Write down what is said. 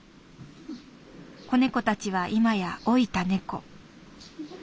子猫たちは今や老いた猫」。